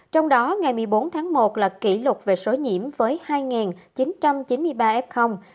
trong đó ngày một mươi bốn tháng một là kỷ lục về số nhiễm với hai chín trăm chín mươi ba f